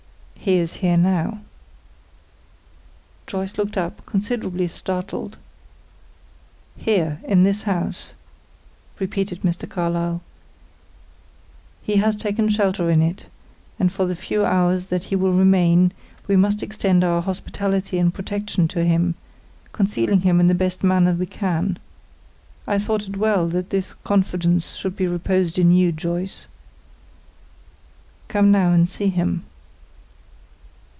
"He is here now." Joyce looked up, considerably startled. "Here, in this house," repeated Mr. Carlyle. "He has taken shelter in it, and for the few hours that he will remain, we must extend our hospitality and protection to him, concealing him in the best manner we can. I thought it well that this confidence should be reposed in you, Joyce. Come now and see him."